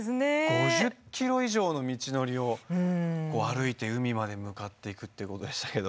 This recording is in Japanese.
５０キロ以上の道のりを歩いて海まで向かっていくってことでしたけど。